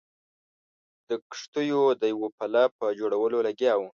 د کښتیو د یوه پله په جوړولو لګیا وو.